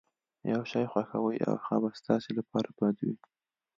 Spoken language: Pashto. يو شی خوښوئ او هغه به ستاسې لپاره بد وي.